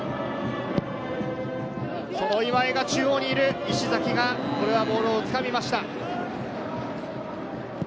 その今井が中央にいる、石崎がこれはボールをつかみました。